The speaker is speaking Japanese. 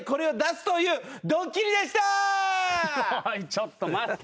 ちょっと待って。